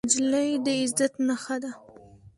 نجلۍ د عزت نښه ده.